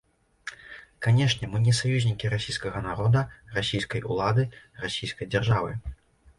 Канешне, мы не саюзнікі расійскага народа, расійскай улады, расійскай дзяржавы.